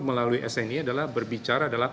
melalui sni adalah